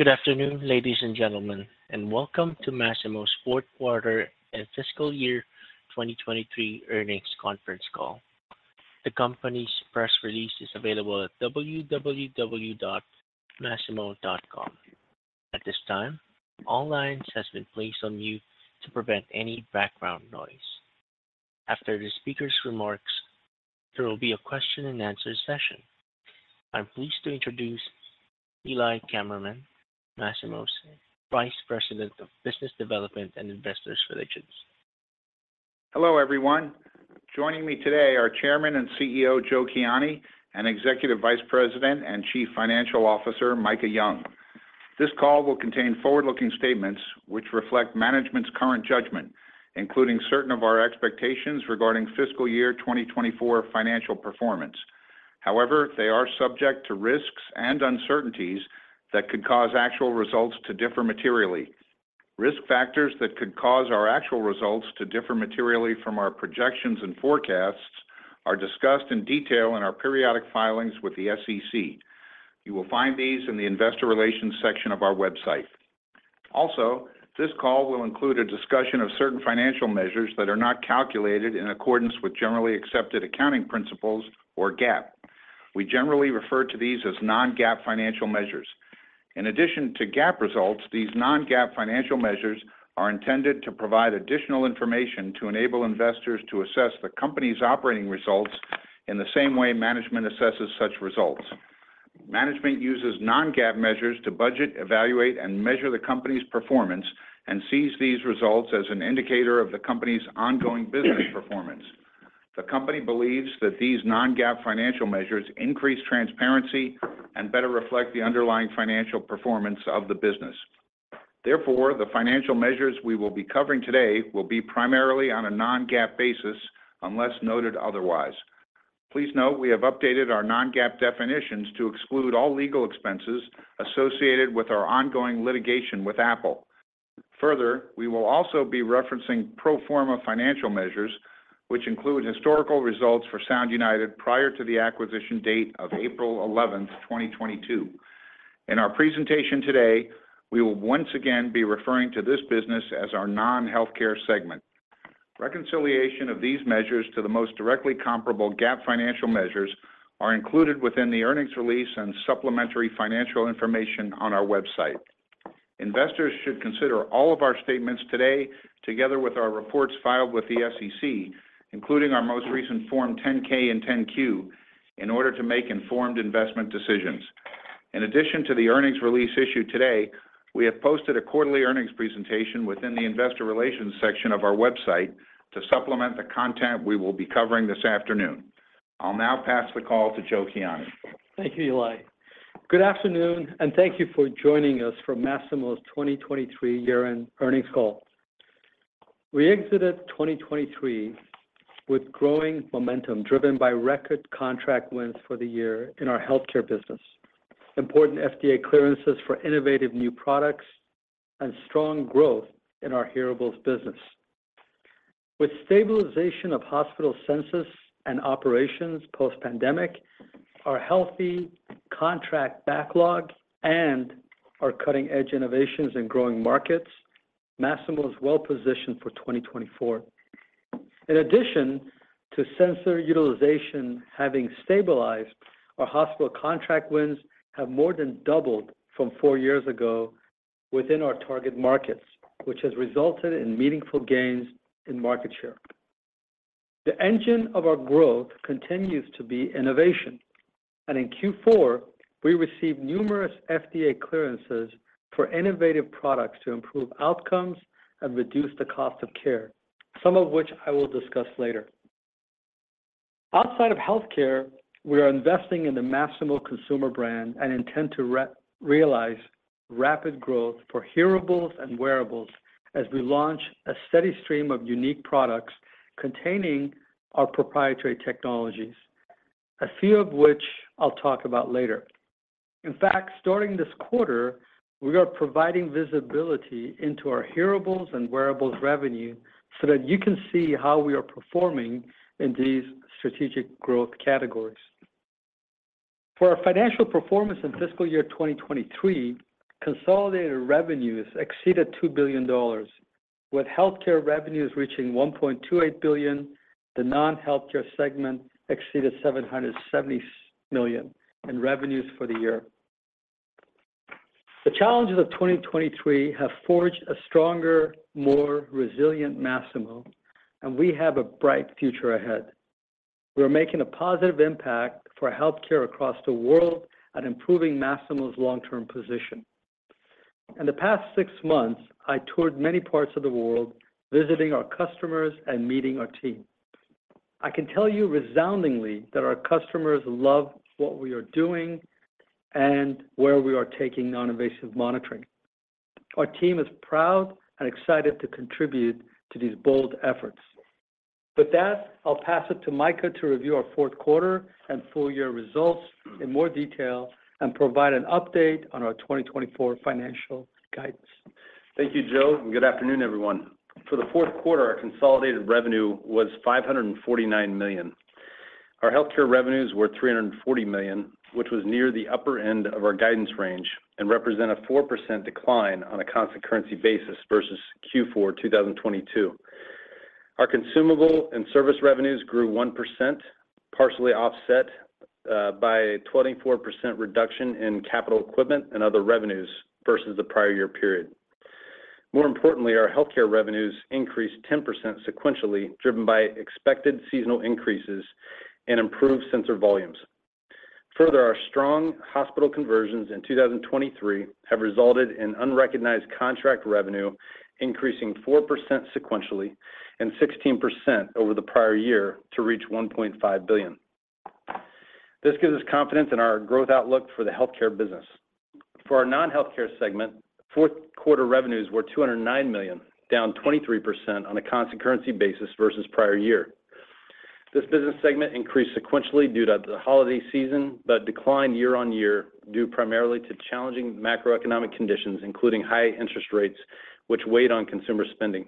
Good afternoon, ladies and gentlemen, and welcome to Masimo's fourth quarter and fiscal year 2023 earnings conference call. The company's press release is available at www.masimo.com. At this time, all lines have been placed on mute to prevent any background noise. After the speaker's remarks, there will be a question-and-answer session. I'm pleased to introduce Eli Kammerman, Masimo's Vice President of Business Development and Investor Relations. Hello everyone. Joining me today are Chairman and CEO Joe Kiani and Executive Vice President and Chief Financial Officer Micah Young. This call will contain forward-looking statements which reflect management's current judgment, including certain of our expectations regarding fiscal year 2024 financial performance. However, they are subject to risks and uncertainties that could cause actual results to differ materially. Risk factors that could cause our actual results to differ materially from our projections and forecasts are discussed in detail in our periodic filings with the SEC. You will find these in the Investor Relations section of our website. Also, this call will include a discussion of certain financial measures that are not calculated in accordance with generally accepted accounting principles or GAAP. We generally refer to these as non-GAAP financial measures. In addition to GAAP results, these non-GAAP financial measures are intended to provide additional information to enable investors to assess the company's operating results in the same way management assesses such results. Management uses non-GAAP measures to budget, evaluate, and measure the company's performance and sees these results as an indicator of the company's ongoing business performance. The company believes that these non-GAAP financial measures increase transparency and better reflect the underlying financial performance of the business. Therefore, the financial measures we will be covering today will be primarily on a non-GAAP basis unless noted otherwise. Please note we have updated our non-GAAP definitions to exclude all legal expenses associated with our ongoing litigation with Apple. Further, we will also be referencing pro forma financial measures which include historical results for Sound United prior to the acquisition date of April 11, 2022. In our presentation today, we will once again be referring to this business as our non-healthcare segment. Reconciliation of these measures to the most directly comparable GAAP financial measures are included within the earnings release and supplementary financial information on our website. Investors should consider all of our statements today together with our reports filed with the SEC, including our most recent Form 10-K and 10-Q, in order to make informed investment decisions. In addition to the earnings release issued today, we have posted a quarterly earnings presentation within the Investor Relations section of our website to supplement the content we will be covering this afternoon. I'll now pass the call to Joe Kiani. Thank you, Eli. Good afternoon and thank you for joining us for Masimo's 2023 year-end earnings call. We exited 2023 with growing momentum driven by record contract wins for the year in our healthcare business, important FDA clearances for innovative new products, and strong growth in our hearables business. With stabilization of hospital census and operations post-pandemic, our healthy contract backlog, and our cutting-edge innovations in growing markets, Masimo is well positioned for 2024. In addition to sensor utilization having stabilized, our hospital contract wins have more than doubled from four years ago within our target markets, which has resulted in meaningful gains in market share. The engine of our growth continues to be innovation, and in Q4 we received numerous FDA clearances for innovative products to improve outcomes and reduce the cost of care, some of which I will discuss later. Outside of healthcare, we are investing in the Masimo consumer brand and intend to realize rapid growth for hearables and wearables as we launch a steady stream of unique products containing our proprietary technologies, a few of which I'll talk about later. In fact, starting this quarter, we are providing visibility into our hearables and wearables revenue so that you can see how we are performing in these strategic growth categories. For our financial performance in fiscal year 2023, consolidated revenues exceeded $2 billion, with healthcare revenues reaching $1.28 billion, the non-healthcare segment exceeded $770 million, and revenues for the year. The challenges of 2023 have forged a stronger, more resilient Masimo, and we have a bright future ahead. We are making a positive impact for healthcare across the world and improving Masimo's long-term position. In the past six months, I toured many parts of the world visiting our customers and meeting our team. I can tell you resoundingly that our customers love what we are doing and where we are taking non-invasive monitoring. Our team is proud and excited to contribute to these bold efforts. With that, I'll pass it to Micah to review our fourth quarter and full year results in more detail and provide an update on our 2024 financial guidance. Thank you, Joe, and good afternoon, everyone. For the fourth quarter, our consolidated revenue was $549 million. Our healthcare revenues were $340 million, which was near the upper end of our guidance range and represent a 4% decline on a constant currency basis versus Q4 2022. Our consumable and service revenues grew 1%, partially offset by a 24% reduction in capital equipment and other revenues versus the prior year period. More importantly, our healthcare revenues increased 10% sequentially driven by expected seasonal increases and improved sensor volumes. Further, our strong hospital conversions in 2023 have resulted in unrecognized contract revenue increasing 4% sequentially and 16% over the prior year to reach $1.5 billion. This gives us confidence in our growth outlook for the healthcare business. For our non-healthcare segment, fourth quarter revenues were $209 million, down 23% on a constant currency basis versus prior year. This business segment increased sequentially due to the holiday season but declined year-over-year due primarily to challenging macroeconomic conditions, including high interest rates which weighed on consumer spending.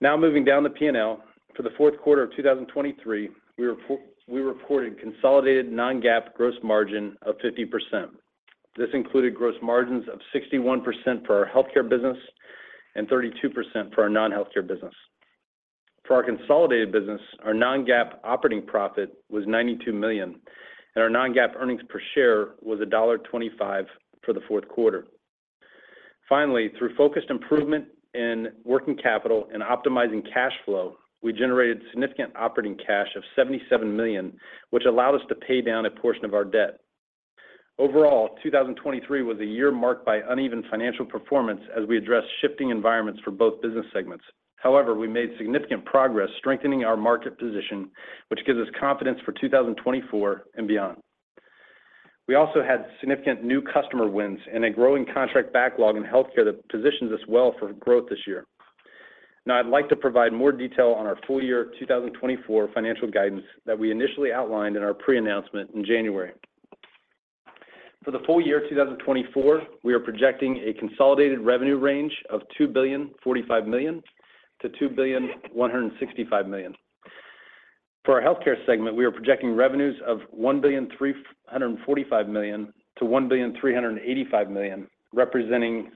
Now moving down the P&L, for the fourth quarter of 2023, we reported consolidated non-GAAP gross margin of 50%. This included gross margins of 61% for our healthcare business and 32% for our non-healthcare business. For our consolidated business, our non-GAAP operating profit was $92 million, and our non-GAAP earnings per share was $1.25 for the fourth quarter. Finally, through focused improvement in working capital and optimizing cash flow, we generated significant operating cash of $77 million, which allowed us to pay down a portion of our debt. Overall, 2023 was a year marked by uneven financial performance as we addressed shifting environments for both business segments. However, we made significant progress strengthening our market position, which gives us confidence for 2024 and beyond. We also had significant new customer wins and a growing contract backlog in healthcare that positions us well for growth this year. Now, I'd like to provide more detail on our full year 2024 financial guidance that we initially outlined in our pre-announcement in January. For the full year 2024, we are projecting a consolidated revenue range of $2.45 billion-$2.165 million. For our healthcare segment, we are projecting revenues of $1.345 million-$1.385 million, representing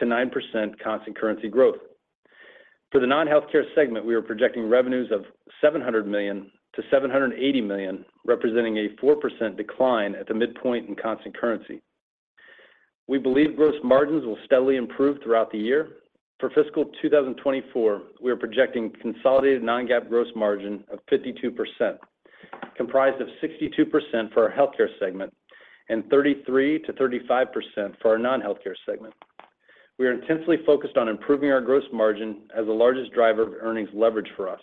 6%-9% constant currency growth. For the non-healthcare segment, we are projecting revenues of $700 million-$780 million, representing a 4% decline at the midpoint in constant currency. We believe gross margins will steadily improve throughout the year. For fiscal 2024, we are projecting consolidated non-GAAP gross margin of 52%, comprised of 62% for our healthcare segment and 33%-35% for our non-healthcare segment. We are intensely focused on improving our gross margin as the largest driver of earnings leverage for us.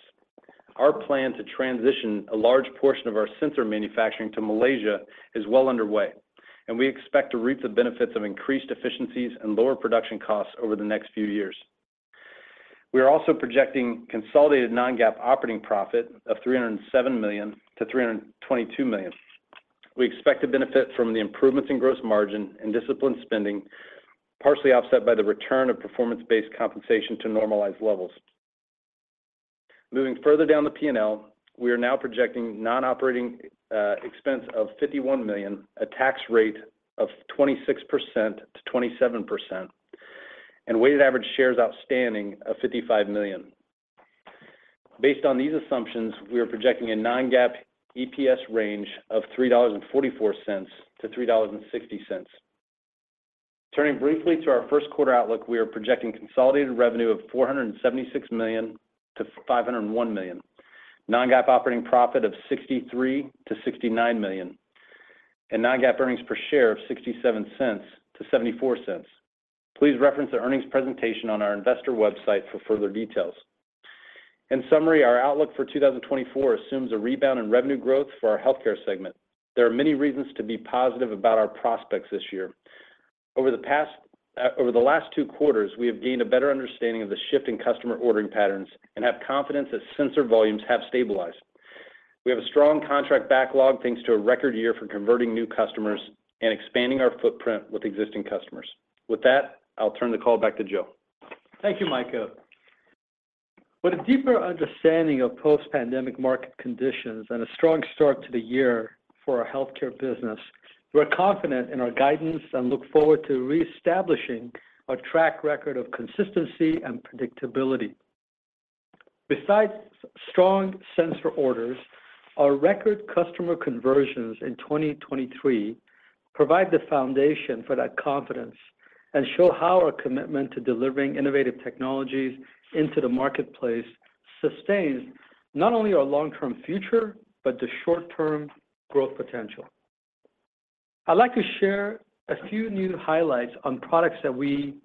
Our plan to transition a large portion of our sensor manufacturing to Malaysia is well underway, and we expect to reap the benefits of increased efficiencies and lower production costs over the next few years. We are also projecting consolidated non-GAAP operating profit of $307 million-$322 million. We expect to benefit from the improvements in gross margin and disciplined spending, partially offset by the return of performance-based compensation to normalized levels. Moving further down the P&L, we are now projecting non-operating expense of $51 million, a tax rate of 26%-27%, and weighted average shares outstanding of 55 million. Based on these assumptions, we are projecting a non-GAAP EPS range of $3.44-$3.60. Turning briefly to our first quarter outlook, we are projecting consolidated revenue of $476 million-$501 million, non-GAAP operating profit of $63 million-$69 million, and non-GAAP earnings per share of $0.67-$0.74. Please reference the earnings presentation on our investor website for further details. In summary, our outlook for 2024 assumes a rebound in revenue growth for our healthcare segment. There are many reasons to be positive about our prospects this year. Over the last two quarters, we have gained a better understanding of the shift in customer ordering patterns and have confidence that sensor volumes have stabilized. We have a strong contract backlog thanks to a record year for converting new customers and expanding our footprint with existing customers. With that, I'll turn the call back to Joe. Thank you, Micah. With a deeper understanding of post-pandemic market conditions and a strong start to the year for our healthcare business, we are confident in our guidance and look forward to reestablishing our track record of consistency and predictability. Besides strong sensor orders, our record customer conversions in 2023 provide the foundation for that confidence and show how our commitment to delivering innovative technologies into the marketplace sustains not only our long-term future but the short-term growth potential. I'd like to share a few new highlights on products that we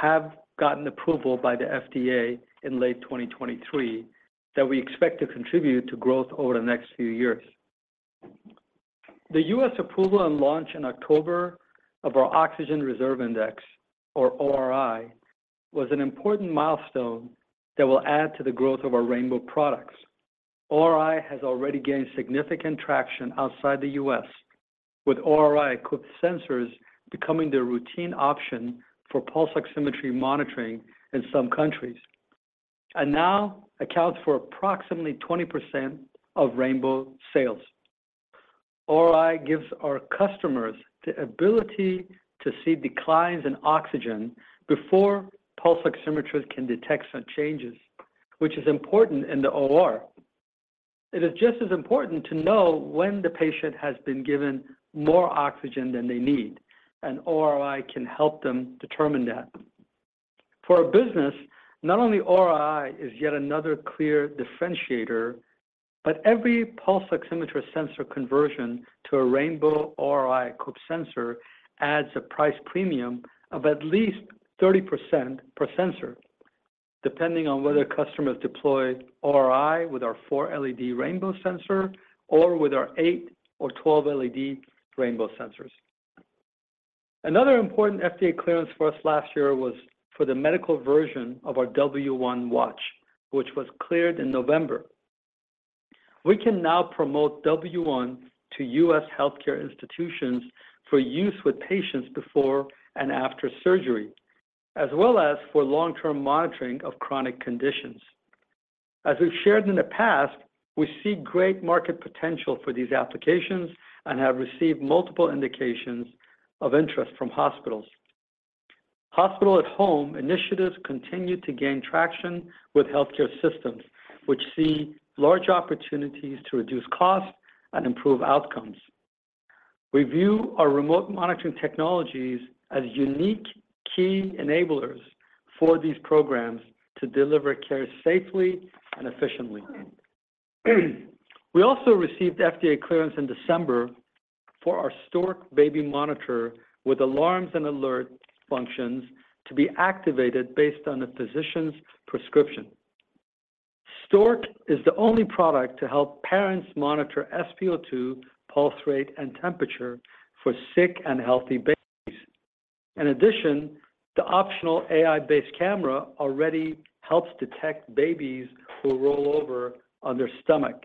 have gotten approval by the FDA in late 2023 that we expect to contribute to growth over the next few years. The U.S. approval and launch in October of our Oxygen Reserve Index, or ORI, was an important milestone that will add to the growth of our Rainbow products. ORI has already gained significant traction outside the U.S., with ORI-equipped sensors becoming the routine option for pulse oximetry monitoring in some countries and now accounts for approximately 20% of Rainbow sales. ORI gives our customers the ability to see declines in oxygen before pulse oximeters can detect such changes, which is important in the OR. It is just as important to know when the patient has been given more oxygen than they need, and ORI can help them determine that. For a business, not only ORI is yet another clear differentiator, but every pulse oximeter sensor conversion to a Rainbow ORI-equipped sensor adds a price premium of at least 30% per sensor, depending on whether customers deploy ORI with our four LED Rainbow sensor or with our eight or 12 LED Rainbow sensors. Another important FDA clearance for us last year was for the medical version of our W1 watch, which was cleared in November. We can now promote W1 to U.S. healthcare institutions for use with patients before and after surgery, as well as for long-term monitoring of chronic conditions. As we've shared in the past, we see great market potential for these applications and have received multiple indications of interest from hospitals. Hospital-at-home initiatives continue to gain traction with healthcare systems, which see large opportunities to reduce costs and improve outcomes. We view our remote monitoring technologies as unique key enablers for these programs to deliver care safely and efficiently. We also received FDA clearance in December for our Stork baby monitor with alarms and alert functions to be activated based on a physician's prescription. Stork is the only product to help parents monitor SpO2, pulse rate, and temperature for sick and healthy babies. In addition, the optional AI-based camera already helps detect babies who roll over on their stomach,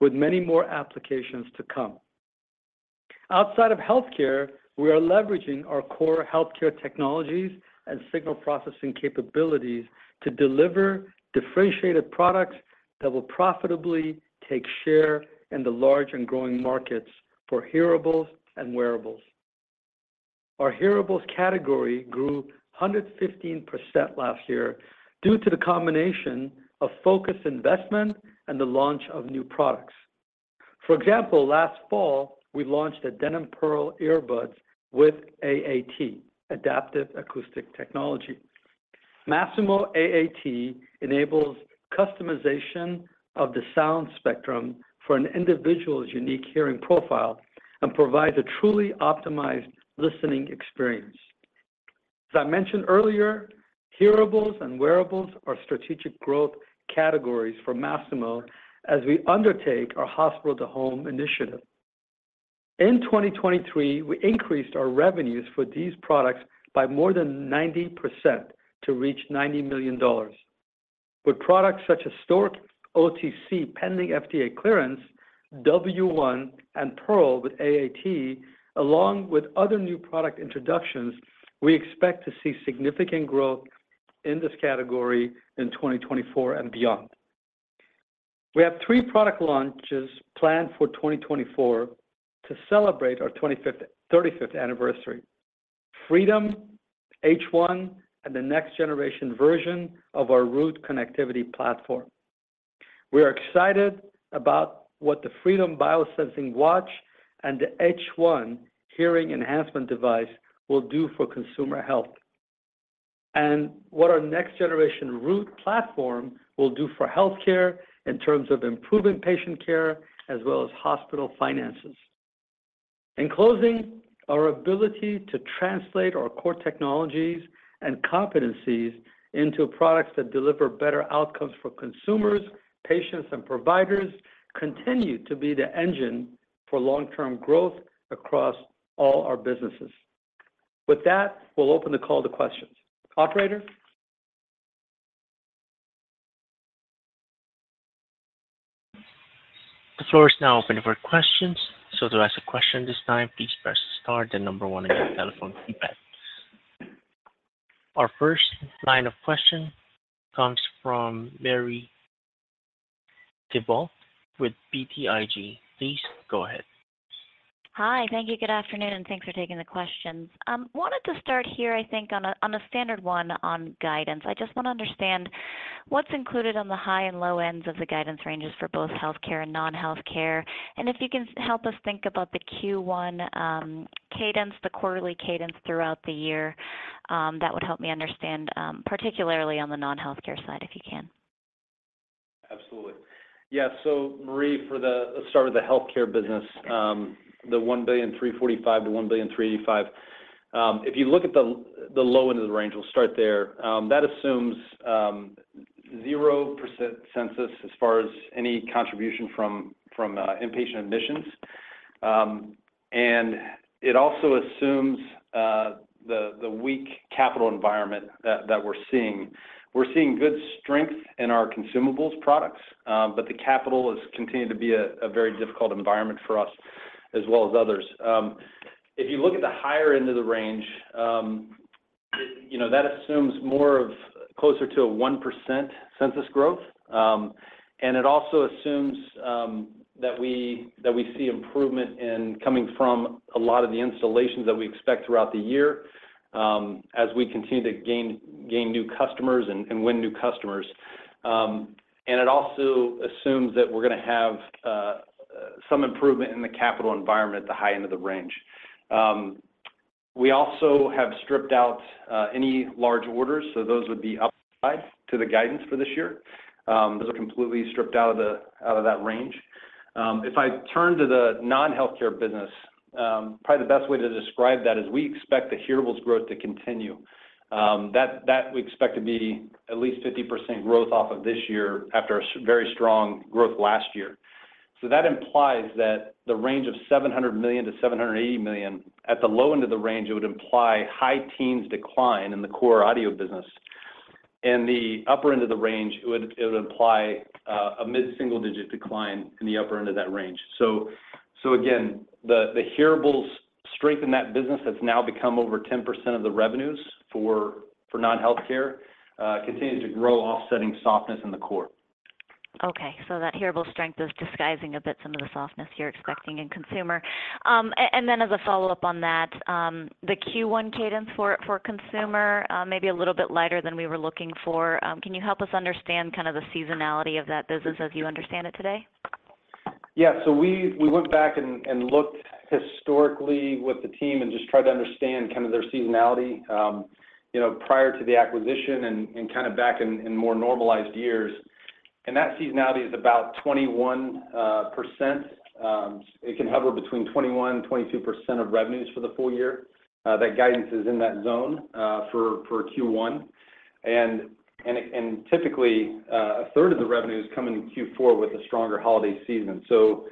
with many more applications to come. Outside of healthcare, we are leveraging our core healthcare technologies and signal processing capabilities to deliver differentiated products that will profitably take share in the large and growing markets for hearables and wearables. Our hearables category grew 115% last year due to the combination of focused investment and the launch of new products. For example, last fall, we launched the Denon PerL earbuds with AAT, Adaptive Acoustic Technology. Masimo AAT enables customization of the sound spectrum for an individual's unique hearing profile and provides a truly optimized listening experience. As I mentioned earlier, hearables and wearables are strategic growth categories for Masimo as we undertake our hospital-to-home initiative. In 2023, we increased our revenues for these products by more than 90% to reach $90 million. With products such as Stork OTC pending FDA clearance, W1, and Pearl with AAT, along with other new product introductions, we expect to see significant growth in this category in 2024 and beyond. We have three product launches planned for 2024 to celebrate our 35th anniversary: Freedom, H1, and the next-generation version of our Root connectivity platform. We are excited about what the Freedom Biosensing Watch and the H1 hearing enhancement device will do for consumer health and what our next-generation Root platform will do for healthcare in terms of improving patient care as well as hospital finances. In closing, our ability to translate our core technologies and competencies into products that deliver better outcomes for consumers, patients, and providers continues to be the engine for long-term growth across all our businesses. With that, we'll open the call to questions. Operator? The floor is now open for questions. So to ask a question this time, please press star and number one on your telephone keypad. Our first line of question comes from Marie Thibault with BTIG. Please go ahead. Hi. Thank you. Good afternoon. Thanks for taking the questions. Wanted to start here, I think, on a standard one on guidance. I just want to understand what's included on the high and low ends of the guidance ranges for both healthcare and non-healthcare. If you can help us think about the Q1 cadence, the quarterly cadence throughout the year, that would help me understand, particularly on the non-healthcare side, if you can. Absolutely. Yeah. So, Marie, for the start of the healthcare business, the $1.345 million-$1.385 million, if you look at the low end of the range, we'll start there, that assumes 0% census as far as any contribution from inpatient admissions. And it also assumes the weak capital environment that we're seeing. We're seeing good strength in our consumables products, but the capital has continued to be a very difficult environment for us as well as others. If you look at the higher end of the range, that assumes more of closer to a 1% census growth. And it also assumes that we see improvement in coming from a lot of the installations that we expect throughout the year as we continue to gain new customers and win new customers. And it also assumes that we're going to have some improvement in the capital environment at the high end of the range. We also have stripped out any large orders. So those would be upside to the guidance for this year. Those are completely stripped out of that range. If I turn to the non-healthcare business, probably the best way to describe that is we expect the hearables growth to continue. That we expect to be at least 50% growth off of this year after a very strong growth last year. So that implies that the range of $700 million-$780 million, at the low end of the range, it would imply high teens decline in the core audio business. In the upper end of the range, it would imply a mid-single-digit decline in the upper end of that range. So again, the hearables strength in that business that's now become over 10% of the revenues for non-healthcare continues to grow, offsetting softness in the core. Okay. So that hearables strength is disguising a bit some of the softness you're expecting in consumer. And then as a follow-up on that, the Q1 cadence for consumer, maybe a little bit lighter than we were looking for, can you help us understand kind of the seasonality of that business as you understand it today? Yeah. So we went back and looked historically with the team and just tried to understand kind of their seasonality prior to the acquisition and kind of back in more normalized years. And that seasonality is about 21%. It can hover between 21%-22% of revenues for the full year. That guidance is in that zone for Q1. And typically, a third of the revenues come in Q4 with a stronger holiday season. So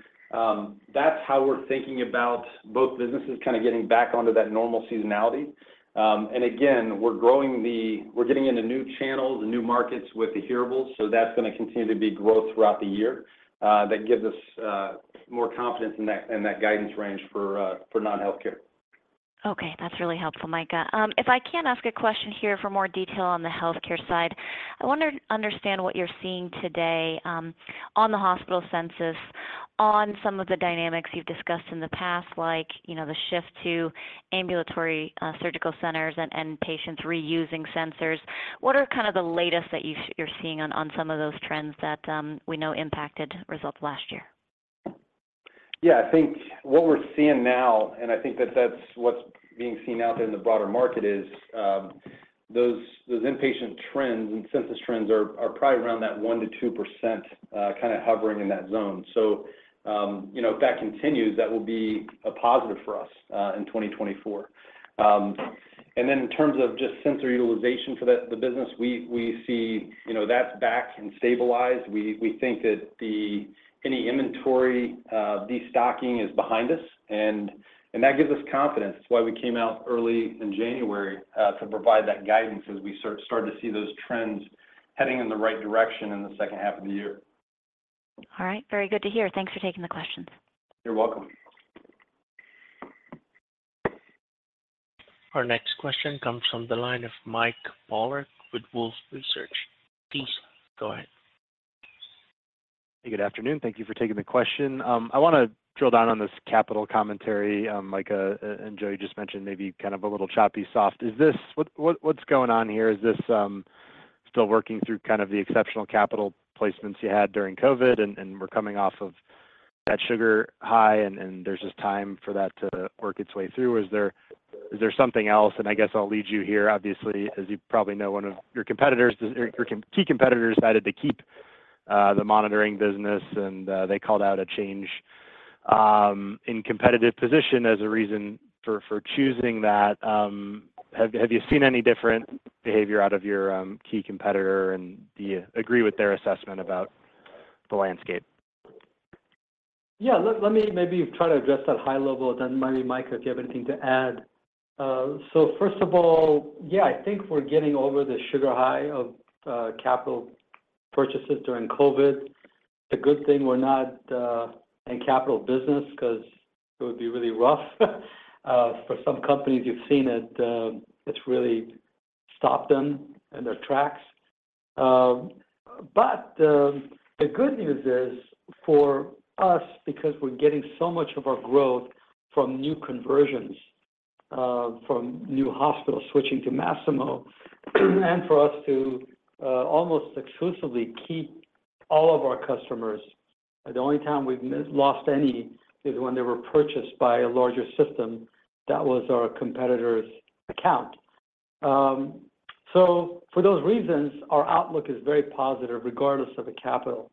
that's how we're thinking about both businesses kind of getting back onto that normal seasonality. And again, we're getting into new channels, new markets with the hearables. So that's going to continue to be growth throughout the year that gives us more confidence in that guidance range for non-healthcare. Okay. That's really helpful, Micah. If I can ask a question here for more detail on the healthcare side, I want to understand what you're seeing today on the hospital census, on some of the dynamics you've discussed in the past, like the shift to ambulatory surgical centers and patients reusing sensors. What are kind of the latest that you're seeing on some of those trends that we know impacted results last year? Yeah. I think what we're seeing now, and I think that that's what's being seen out there in the broader market, is those inpatient trends and census trends are probably around that 1%-2% kind of hovering in that zone. So if that continues, that will be a positive for us in 2024. And then in terms of just sensor utilization for the business, we see that's back and stabilized. We think that any inventory destocking is behind us. And that gives us confidence. That's why we came out early in January to provide that guidance as we started to see those trends heading in the right direction in the second half of the year. All right. Very good to hear. Thanks for taking the questions. You're welcome. Our next question comes from the line of Mike Polark with Wolfe Research. Please go ahead. Hey. Good afternoon. Thank you for taking the question. I want to drill down on this capital commentary, Micah, and Joe just mentioned maybe kind of a little choppy, soft. What's going on here? Is this still working through kind of the exceptional capital placements you had during COVID? And we're coming off of that sugar high, and there's just time for that to work its way through. Is there something else? And I guess I'll lead you here. Obviously, as you probably know, one of your key competitors decided to keep the monitoring business, and they called out a change in competitive position as a reason for choosing that. Have you seen any different behavior out of your key competitor, and do you agree with their assessment about the landscape? Yeah. Let me maybe try to address that high level. Then maybe, Micah, if you have anything to add. So first of all, yeah, I think we're getting over the sugar high of capital purchases during COVID. The good thing, we're not in capital business because it would be really rough. For some companies, you've seen it. It's really stopped them in their tracks. But the good news is for us, because we're getting so much of our growth from new conversions, from new hospitals switching to Masimo, and for us to almost exclusively keep all of our customers, the only time we've lost any is when they were purchased by a larger system. That was our competitor's account. So for those reasons, our outlook is very positive regardless of the capital.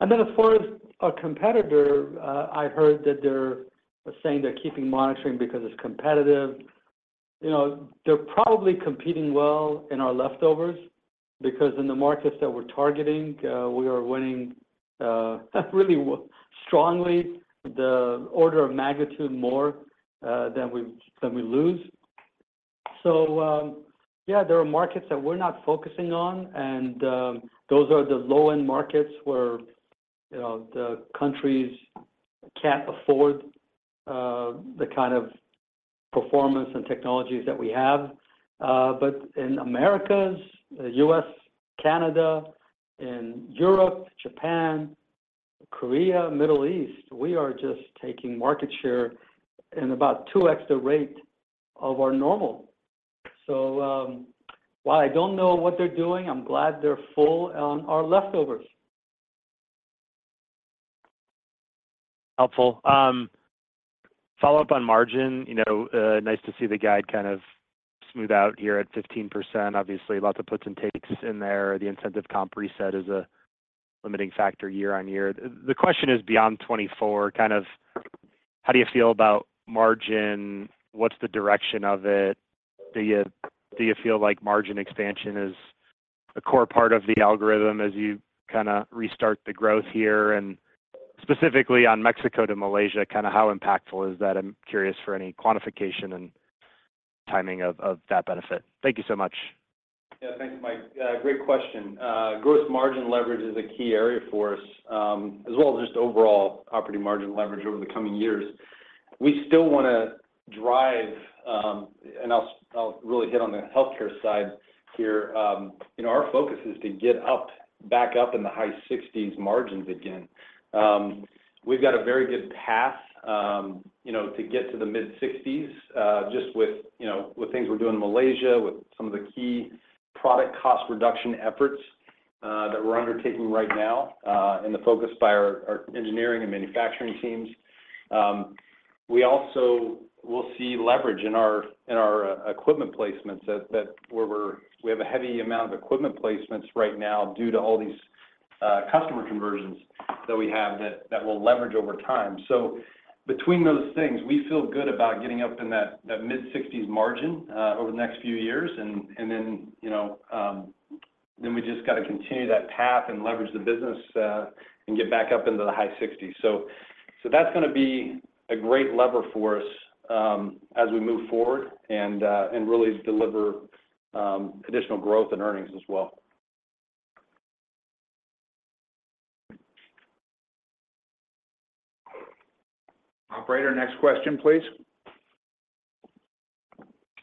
And then as far as our competitor, I heard that they're saying they're keeping monitoring because it's competitive. They're probably competing well in our leftovers because in the markets that we're targeting, we are winning really strongly, the order of magnitude more than we lose. So yeah, there are markets that we're not focusing on, and those are the low-end markets where the countries can't afford the kind of performance and technologies that we have. But in Americas, the U.S., Canada, in Europe, Japan, Korea, Middle East, we are just taking market share in about 2x the rate of our normal. So while I don't know what they're doing, I'm glad they're full on our leftovers. Helpful. Follow-up on margin, nice to see the guide kind of smooth out here at 15%. Obviously, lots of puts and takes in there. The incentive comp reset is a limiting factor year-on-year. The question is beyond 2024, kind of how do you feel about margin? What's the direction of it? Do you feel like margin expansion is a core part of the algorithm as you kind of restart the growth here? And specifically on Mexico to Malaysia, kind of how impactful is that? I'm curious for any quantification and timing of that benefit. Thank you so much. Yeah. Thanks, Mike. Great question. Gross margin leverage is a key area for us, as well as just overall profit margin leverage over the coming years. We still want to drive and I'll really hit on the healthcare side here. Our focus is to get back up in the high-60s margins again. We've got a very good path to get to the mid-60s just with things we're doing in Malaysia, with some of the key product cost reduction efforts that we're undertaking right now and the focus by our engineering and manufacturing teams. We also will see leverage in our equipment placements where we have a heavy amount of equipment placements right now due to all these customer conversions that we have that will leverage over time. So between those things, we feel good about getting up in that mid-60s margin over the next few years. And then we just got to continue that path and leverage the business and get back up into the high 60s. So that's going to be a great lever for us as we move forward and really deliver additional growth and earnings as well. Operator, next question, please.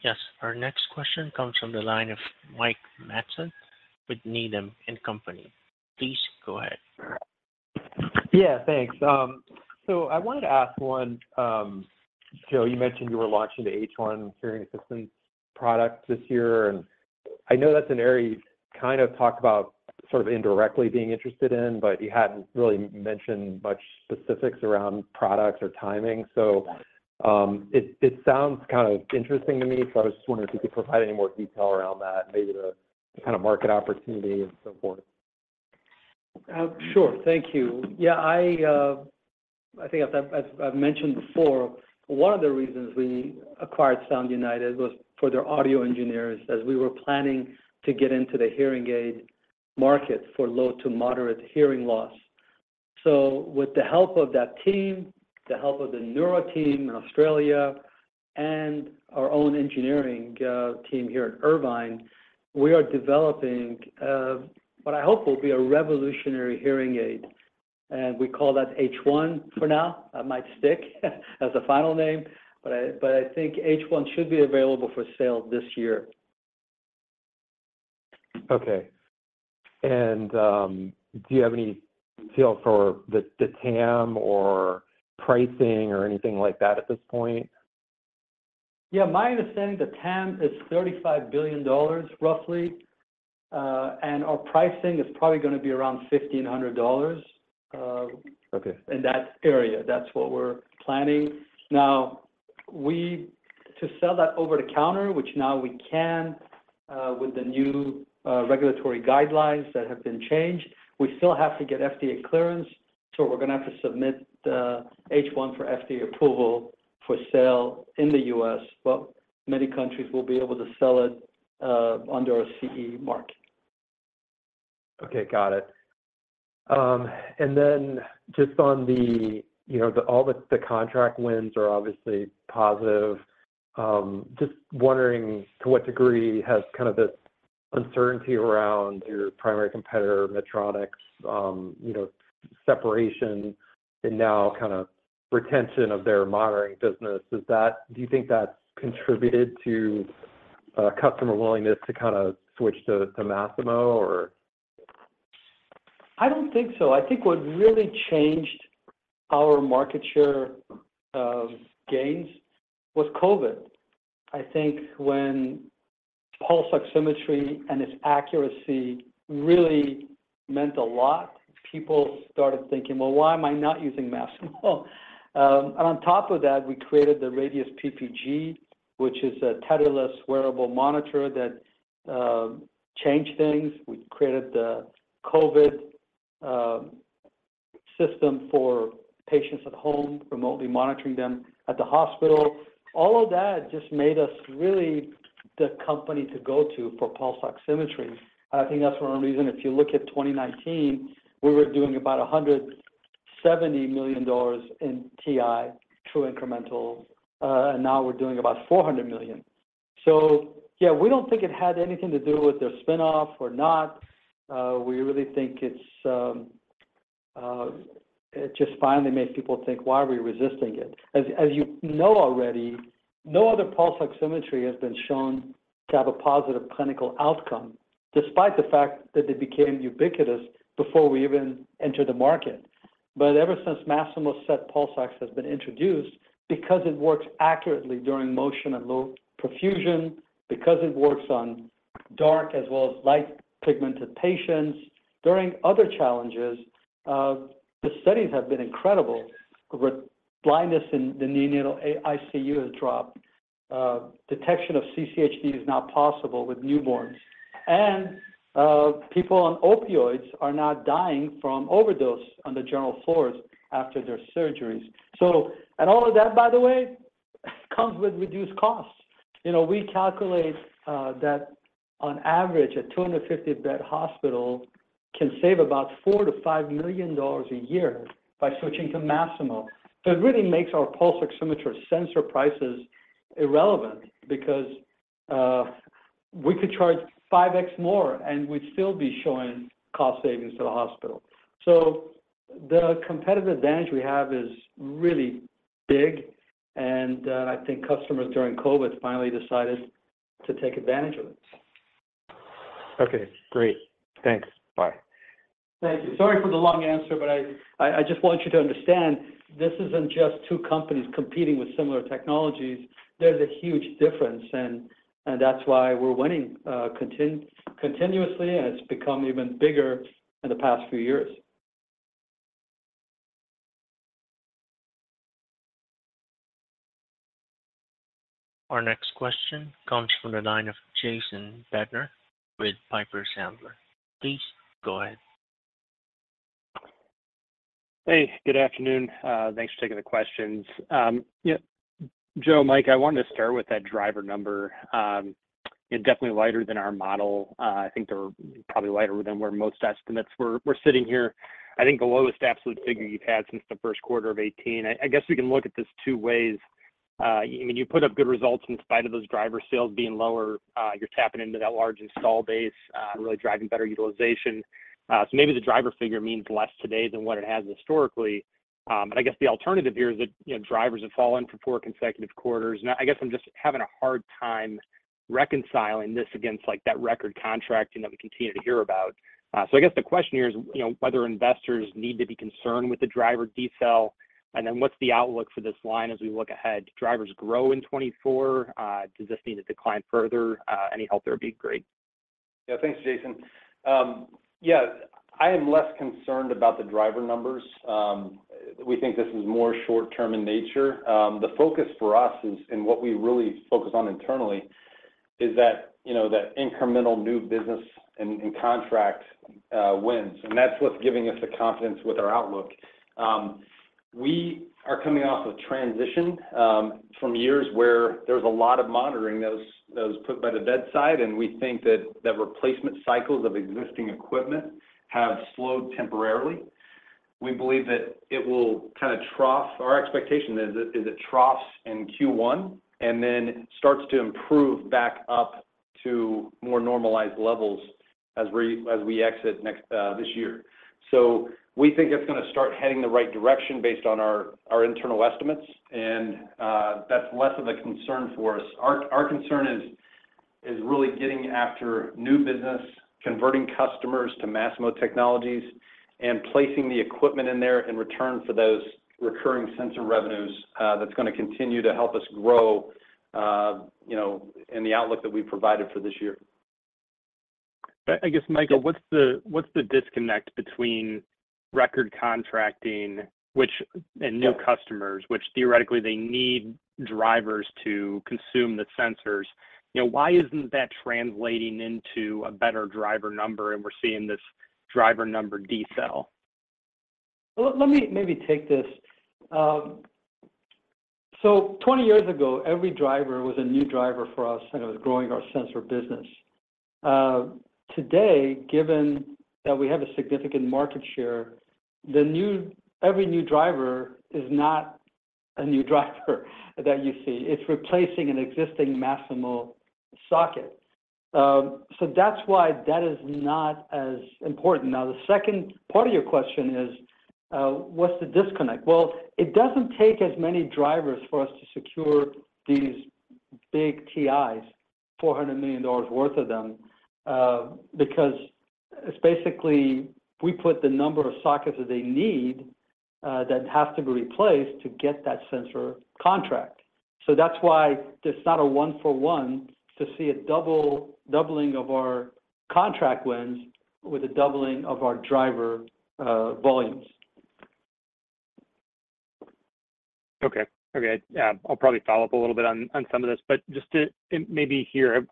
Yes. Our next question comes from the line of Mike Matson with Needham & Company. Please go ahead. Yeah. Thanks. So I wanted to ask one, Joe. You mentioned you were launching the H1 hearing assistance product this year. And I know that's an area you've kind of talked about sort of indirectly being interested in, but you hadn't really mentioned much specifics around products or timing. So it sounds kind of interesting to me. So I was just wondering if you could provide any more detail around that, maybe the kind of market opportunity and so forth. Sure. Thank you. Yeah. I think I've mentioned before, one of the reasons we acquired Sound United was for their audio engineers as we were planning to get into the hearing aid market for low to moderate hearing loss. So with the help of that team, the help of the Neuro team in Australia, and our own engineering team here in Irvine, we are developing what I hope will be a revolutionary hearing aid. And we call that H1 for now. That might stick as a final name. But I think H1 should be available for sale this year. Okay. Do you have any detail for the TAM or pricing or anything like that at this point? Yeah. My understanding, the TAM is $35 billion, roughly. And our pricing is probably going to be around $1,500 in that area. That's what we're planning. Now, to sell that over-the-counter, which now we can with the new regulatory guidelines that have been changed, we still have to get FDA clearance. So we're going to have to submit the W1 for FDA approval for sale in the U.S. But many countries will be able to sell it under a CE mark. Okay. Got it. And then just on all the contract wins are obviously positive. Just wondering to what degree has kind of this uncertainty around your primary competitor, Medtronic, separation and now kind of retention of their monitoring business, do you think that's contributed to customer willingness to kind of switch to Masimo, or? I don't think so. I think what really changed our market share gains was COVID. I think when pulse oximetry and its accuracy really meant a lot, people started thinking, "Well, why am I not using Masimo?" And on top of that, we created the Radius PPG, which is a tetherless wearable monitor that changed things. We created the COVID system for patients at home, remotely monitoring them at the hospital. All of that just made us really the company to go to for pulse oximetry. And I think that's one reason. If you look at 2019, we were doing about $170 million in TI, True Incremental. And now we're doing about $400 million. So yeah, we don't think it had anything to do with their spinoff or not. We really think it just finally makes people think, "Why are we resisting it?" As you know already, no other pulse oximetry has been shown to have a positive clinical outcome despite the fact that it became ubiquitous before we even entered the market. But ever since Masimo SET Pulse Ox has been introduced, because it works accurately during motion and low perfusion, because it works on dark as well as light pigmented patients, during other challenges, the studies have been incredible. Blindness in the neonatal ICU has dropped. Detection of CCHD is now possible with newborns. And people on opioids are not dying from overdose on the general floors after their surgeries. And all of that, by the way, comes with reduced costs. We calculate that, on average, a 250-bed hospital can save about $4 million-$5 million a year by switching to Masimo. So it really makes our pulse oximetry sensor prices irrelevant because we could charge 5X more, and we'd still be showing cost savings to the hospital. So the competitive advantage we have is really big. And I think customers during COVID finally decided to take advantage of it. Okay. Great. Thanks. Bye. Thank you. Sorry for the long answer, but I just want you to understand this isn't just two companies competing with similar technologies. There's a huge difference. That's why we're winning continuously, and it's become even bigger in the past few years. Our next question comes from the line of Jason Bednar with Piper Sandler. Please go ahead. Hey. Good afternoon. Thanks for taking the questions. Joe, Mike, I wanted to start with that driver number. It's definitely lighter than our model. I think they're probably lighter than where most estimates were. We're sitting here, I think, the lowest absolute figure you've had since the first quarter of 2018. I guess we can look at this 2 ways. I mean, you put up good results in spite of those driver sales being lower. You're tapping into that large install base, really driving better utilization. So maybe the driver figure means less today than what it has historically. But I guess the alternative here is that drivers have fallen for 4 consecutive quarters. And I guess I'm just having a hard time reconciling this against that record contracting that we continue to hear about. I guess the question here is whether investors need to be concerned with the driver detail. Then what's the outlook for this line as we look ahead? Do drivers grow in 2024? Does this need to decline further? Any help there would be great. Yeah. Thanks, Jason. Yeah. I am less concerned about the driver numbers. We think this is more short-term in nature. The focus for us and what we really focus on internally is that incremental new business and contract wins. And that's what's giving us the confidence with our outlook. We are coming off of a transition from years where there was a lot of monitoring that was put by the bedside. And we think that replacement cycles of existing equipment have slowed temporarily. We believe that it will kind of trough. Our expectation is it troughs in Q1 and then starts to improve back up to more normalized levels as we exit this year. So we think it's going to start heading the right direction based on our internal estimates. And that's less of a concern for us. Our concern is really getting after new business, converting customers to Masimo Technologies, and placing the equipment in there in return for those recurring sensor revenues that's going to continue to help us grow in the outlook that we provided for this year. I guess, Mike, what's the disconnect between record contracting and new customers, which theoretically, they need drivers to consume the sensors? Why isn't that translating into a better driver number, and we're seeing this driver number detail? Let me maybe take this. So 20 years ago, every driver was a new driver for us, and it was growing our sensor business. Today, given that we have a significant market share, every new driver is not a new driver that you see. It's replacing an existing Masimo socket. So that's why that is not as important. Now, the second part of your question is, what's the disconnect? Well, it doesn't take as many drivers for us to secure these big TIs, $400 million worth of them, because it's basically we put the number of sockets that they need that have to be replaced to get that sensor contract. So that's why it's not a one-for-one to see a doubling of our contract wins with a doubling of our driver volumes. Okay. Okay. I'll probably follow up a little bit on some of this. But just to maybe hear,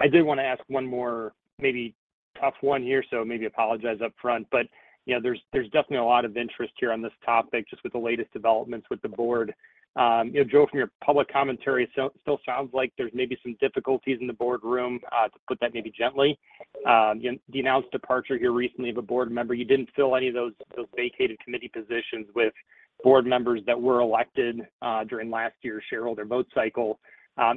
I did want to ask one more maybe tough one here, so maybe apologize upfront. But there's definitely a lot of interest here on this topic just with the latest developments with the board. Joe, from your public commentary, it still sounds like there's maybe some difficulties in the board room to put that maybe gently. You announced departure here recently of a board member. You didn't fill any of those vacated committee positions with board members that were elected during last year's shareholder vote cycle.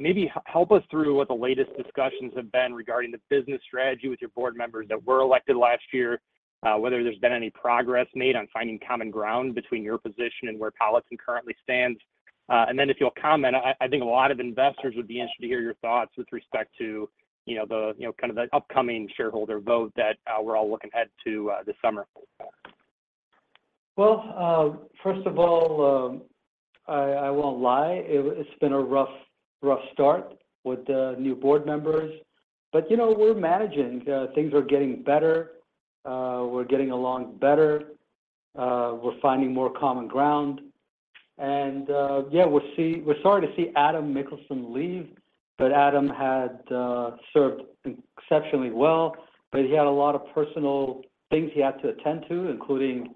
Maybe help us through what the latest discussions have been regarding the business strategy with your board members that were elected last year, whether there's been any progress made on finding common ground between your position and where Politan currently stands. And then if you'll comment, I think a lot of investors would be interested to hear your thoughts with respect to kind of the upcoming shareholder vote that we're all looking ahead to this summer. Well, first of all, I won't lie. It's been a rough start with the new board members. But we're managing. Things are getting better. We're getting along better. We're finding more common ground. And yeah, we're sorry to see Adam Mikkelson leave. But Adam had served exceptionally well. But he had a lot of personal things he had to attend to, including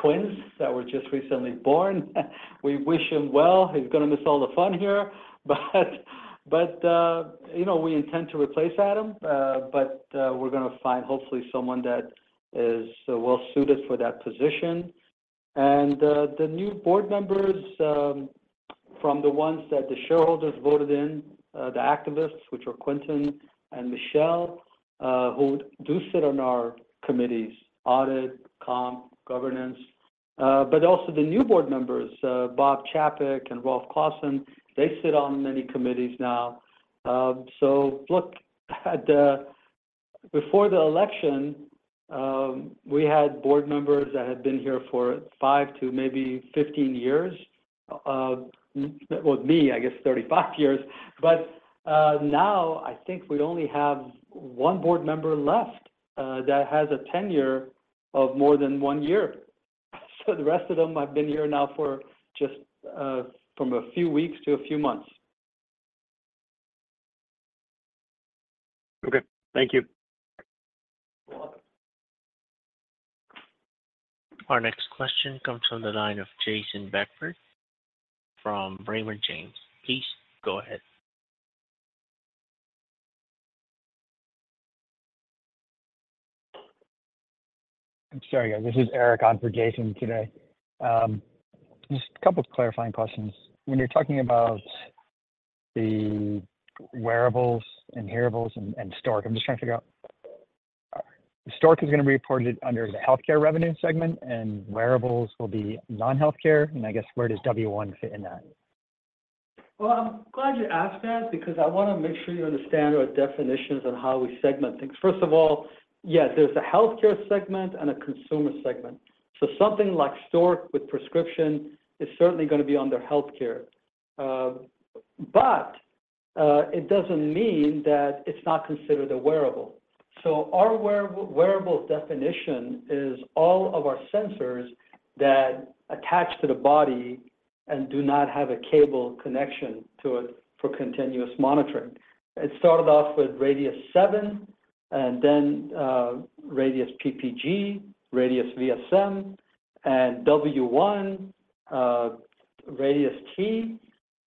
twins that were just recently born. We wish him well. He's going to miss all the fun here. But we intend to replace Adam. But we're going to find, hopefully, someone that is well-suited for that position. And the new board members, from the ones that the shareholders voted in, the activists, which are Quentin and Michelle, who do sit on our committees, audit, comp, governance. But also the new board members, Bob Chapek and Rolf Classon, they sit on many committees now. So look, before the election, we had board members that had been here for 5 to maybe 15 years. Well, me, I guess, 35 years. But now, I think we only have one board member left that has a tenure of more than one year. So the rest of them have been here now from a few weeks to a few months. Okay. Thank you. You're welcome. Our next question comes from the line of Jason Bednar from Piper Sandler. Please go ahead. I'm sorry, guys. This is Eric on for Jason today. Just a couple of clarifying questions. When you're talking about the wearables and hearables and Stork, I'm just trying to figure out Stork is going to be reported under the healthcare revenue segment, and wearables will be non-healthcare. And I guess, where does W1 fit in that? Well, I'm glad you asked that because I want to make sure you understand our definitions on how we segment things. First of all, yeah, there's a healthcare segment and a consumer segment. So something like Stork with prescription is certainly going to be under healthcare. But it doesn't mean that it's not considered a wearable. So our wearables definition is all of our sensors that attach to the body and do not have a cable connection to it for continuous monitoring. It started off with Radius-7 and then Radius PPG, Radius VSM, and W1, Radius T.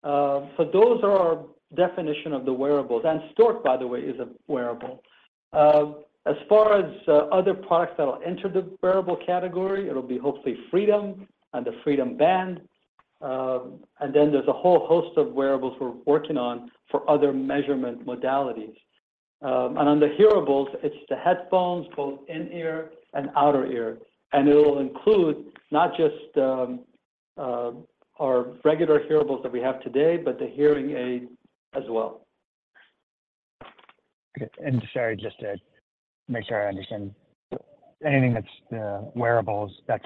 So those are our definition of the wearables. And Stork, by the way, is a wearable. As far as other products that will enter the wearable category, it'll be hopefully Freedom and the Freedom Band. And then there's a whole host of wearables we're working on for other measurement modalities. On the hearables, it's the headphones, both in-ear and outer ear. It'll include not just our regular hearables that we have today, but the hearing aid as well. Okay. And sorry, just to make sure I understand, anything that's the wearables, that's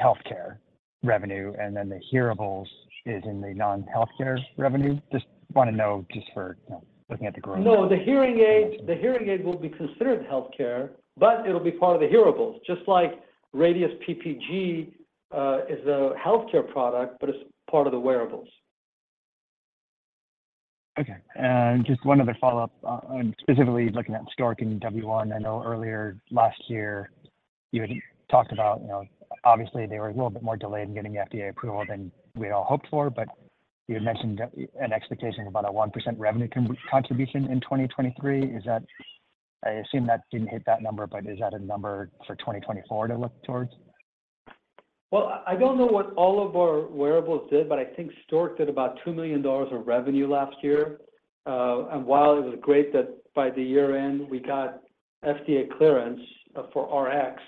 healthcare revenue. And then the hearables is in the non-healthcare revenue? Just want to know just for looking at the growth. No, the hearing aid will be considered healthcare, but it'll be part of the hearables, just like Radius PPG is a healthcare product, but it's part of the wearables. Okay. Just one other follow-up, specifically looking at Stork and W1. I know earlier last year, you had talked about, obviously, they were a little bit more delayed in getting the FDA approval than we had all hoped for. You had mentioned an expectation of about a 1% revenue contribution in 2023. I assume that didn't hit that number, but is that a number for 2024 to look towards? Well, I don't know what all of our wearables did, but I think Stork did about $2 million of revenue last year. While it was great that by the year-end, we got FDA clearance for RX,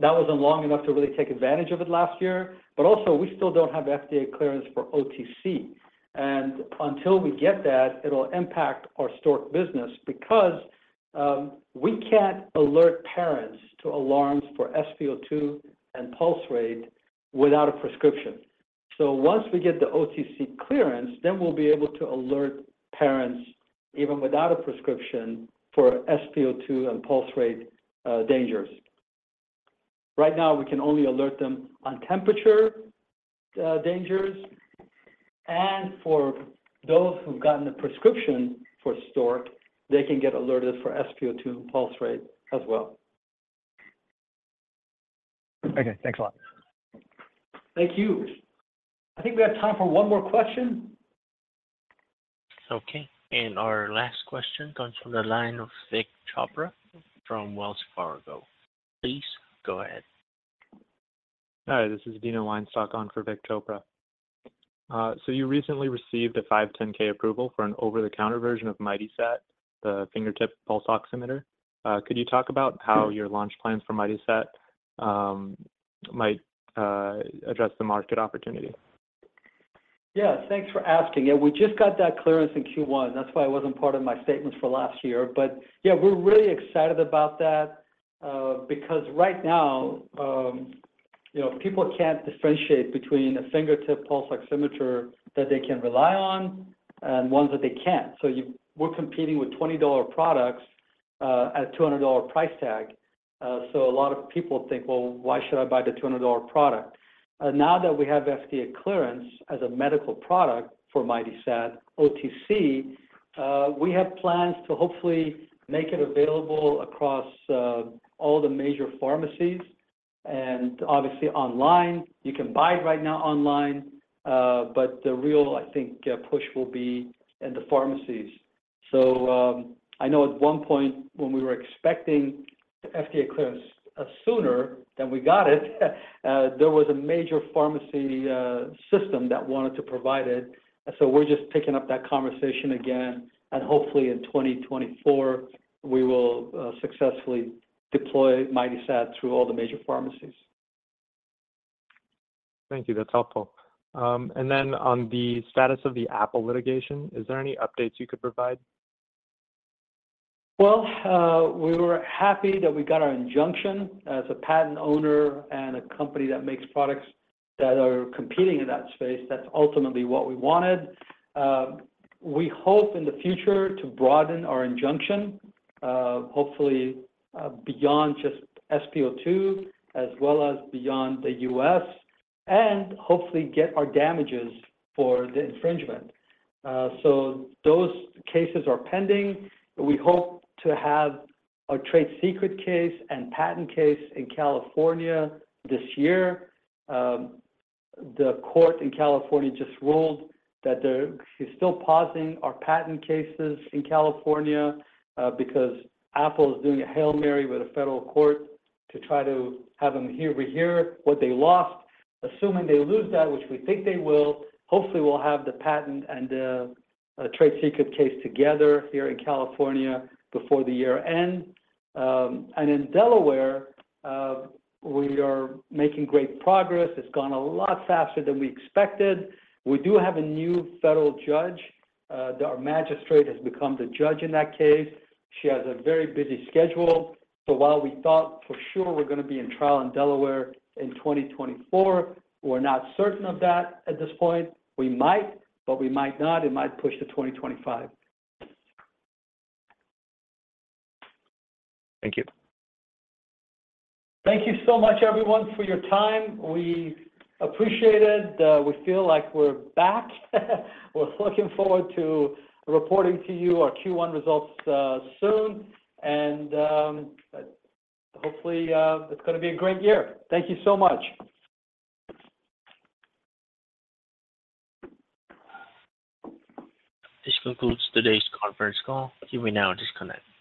that wasn't long enough to really take advantage of it last year. But also, we still don't have FDA clearance for OTC. And until we get that, it'll impact our Stork business because we can't alert parents to alarms for SpO2 and pulse rate without a prescription. So once we get the OTC clearance, then we'll be able to alert parents even without a prescription for SpO2 and pulse rate dangers. Right now, we can only alert them on temperature dangers. And for those who've gotten the prescription for Stork, they can get alerted for SpO2 and pulse rate as well. Okay. Thanks a lot. Thank you. I think we have time for one more question. Okay. And our last question comes from the line of Vic Chopra from Wells Fargo. Please go ahead. Hi. This is Dino Weinstock on for Vic Chopra. You recently received a 510(k) approval for an over-the-counter version of MightySat, the fingertip pulse oximeter. Could you talk about how your launch plans for MightySat might address the market opportunity? Yeah. Thanks for asking. Yeah, we just got that clearance in Q1. That's why it wasn't part of my statements for last year. But yeah, we're really excited about that because right now, people can't differentiate between a fingertip pulse oximeter that they can rely on and ones that they can't. So we're competing with $20 products at a $200 price tag. So a lot of people think, "Well, why should I buy the $200 product?" Now that we have FDA clearance as a medical product for MightySat OTC, we have plans to hopefully make it available across all the major pharmacies. And obviously, online, you can buy it right now online. But the real, I think, push will be in the pharmacies. So I know at one point, when we were expecting FDA clearance sooner than we got it, there was a major pharmacy system that wanted to provide it. So we're just picking up that conversation again. And hopefully, in 2024, we will successfully deploy MightySat through all the major pharmacies. Thank you. That's helpful. And then on the status of the Apple litigation, is there any updates you could provide? Well, we were happy that we got our injunction. As a patent owner and a company that makes products that are competing in that space, that's ultimately what we wanted. We hope in the future to broaden our injunction, hopefully beyond just SpO2 as well as beyond the U.S., and hopefully get our damages for the infringement. So those cases are pending. We hope to have a trade secret case and patent case in California this year. The court in California just ruled that they're still pausing our patent cases in California because Apple is doing a Hail Mary with a federal court to try to have them hear what they lost. Assuming they lose that, which we think they will, hopefully, we'll have the patent and the trade secret case together here in California before the year-end. In Delaware, we are making great progress. It's gone a lot faster than we expected. We do have a new federal judge. Our magistrate has become the judge in that case. She has a very busy schedule. So while we thought for sure we're going to be in trial in Delaware in 2024, we're not certain of that at this point. We might, but we might not. It might push to 2025. Thank you. Thank you so much, everyone, for your time. We appreciate it. We feel like we're back. We're looking forward to reporting to you our Q1 results soon. Hopefully, it's going to be a great year. Thank you so much. This concludes today's conference call. You may now disconnect.